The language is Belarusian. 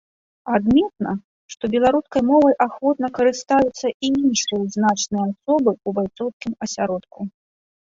Адметна, што беларускай мовай ахвотна карыстаюцца і іншыя значныя асобы ў байцоўскім асяродку.